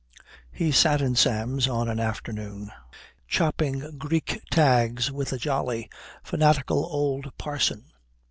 He sat in Sam's on an afternoon chopping Greek tags with a jolly, fanatical old parson.